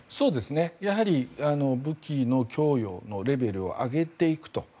やはり武器の供与のレベルを上げていくと。